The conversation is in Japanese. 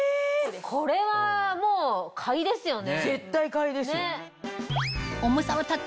これはもう買いですよね。